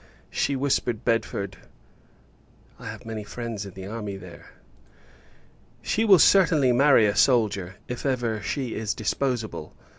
She whispered Bedford "I have many friends in the army there!" She will certainly marry a soldier, if ever she is disposable.